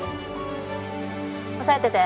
押さえてて。